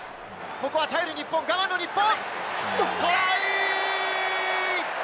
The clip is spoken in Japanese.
ここは耐える日本、我慢の日本。